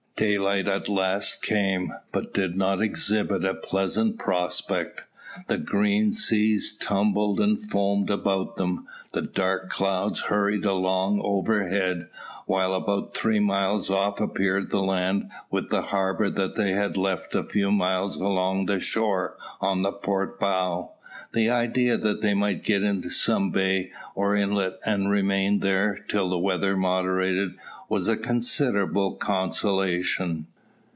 Daylight at last came, but did not exhibit a pleasant prospect. The green seas tumbled and foamed about them; the dark clouds hurried along overhead, while about three miles off appeared the land with the harbour they had left a few miles along the shore on the port bow. The idea that they might get into some bay or inlet, and remain, there till the weather moderated, was a considerable consolation.